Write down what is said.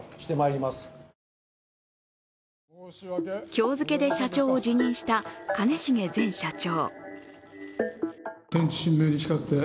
今日付で社長を辞任した兼重前社長。